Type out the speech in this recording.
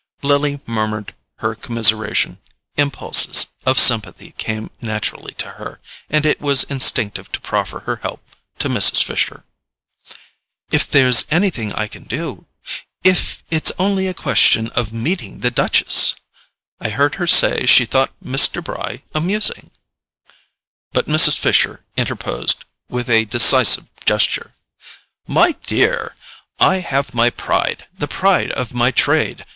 Lily murmured her commiseration. Impulses of sympathy came naturally to her, and it was instinctive to proffer her help to Mrs. Fisher. "If there's anything I can do—if it's only a question of meeting the Duchess! I heard her say she thought Mr. Bry amusing——" But Mrs. Fisher interposed with a decisive gesture. "My dear, I have my pride: the pride of my trade.